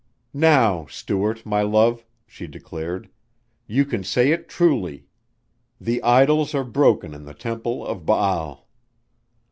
"Now, Stuart, my love," she declared, "you can say it truly: 'The idols are broken in the Temple of Baal.'"